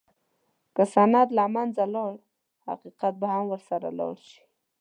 که سند له منځه لاړ، حقیقت به هم ورسره لاړ شي.